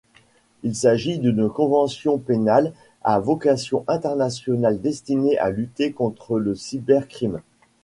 Il s'agit d'une convention pénale à vocation internationale destinée à lutter contre le cybercrime.